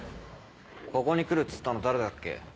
ここに来るっつったの誰だっけ？